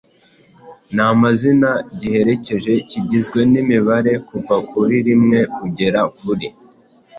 namazina giherekeje. Kigizwe n’imibare kuva kuri rimwe kugera kuri